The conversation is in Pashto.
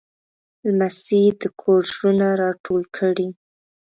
لمسی د کور زړونه راټول کړي.